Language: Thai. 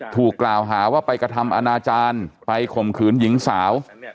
ถูกกล่าวหาว่าไปกระทำอนาจารย์ไปข่มขืนหญิงสาว